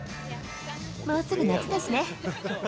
もうすぐ夏だしね。